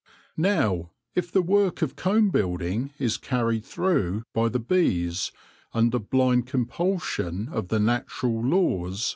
Now, if the work of comb building is carried through by the bees under blind compulsion of the natural laws